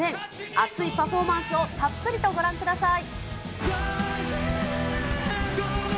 熱いパフォーマンスをたっぷりとご覧ください。